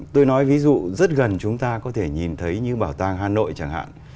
tôi nói ví dụ rất gần chúng ta có thể nhìn thấy như bảo tàng hà nội chẳng hạn